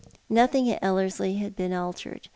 Nothing at Ellerslie had been altered.